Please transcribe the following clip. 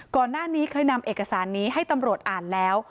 ก่อนหน้านี้เคยนำเอกสารนี้ให้ตำรวจอ่านแล้ว